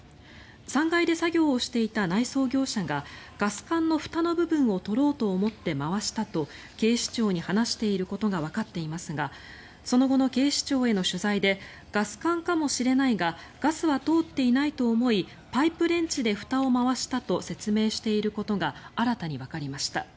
３階で作業をしていた内装業者がガス管のふたの部分を取ろうと思って回したと警視庁に話していることがわかっていますがその後の警視庁への取材でガス管かもしれないがガスは通っていないと思いパイプレンチでふたを回したと説明していることが新たにわかりました。